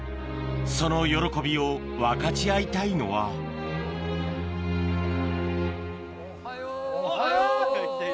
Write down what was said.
その喜びを分かち合いたいのはあぁ。